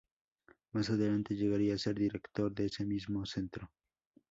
Más adelante llegaría a ser director de este mismo centro.